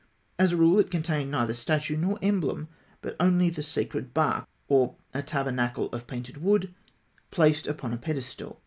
As a rule it contained neither statue nor emblem, but only the sacred bark, or a tabernacle of painted wood placed upon a pedestal.